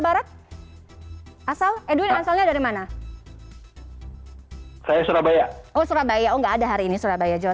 barat asal edwin asalnya dari mana saya surabaya oh surabaya oh enggak ada hari ini surabaya jawa